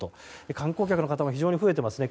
観光客の方も非常に増えてますね。